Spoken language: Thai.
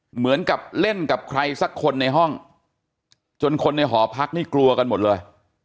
เหมือนกับเล่นกับใครสักคนในห้องจนคนในหอพักนี่กลัวกันหมดเลย